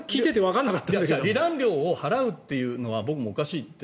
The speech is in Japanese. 離檀料を払うというのは僕もおかしいって。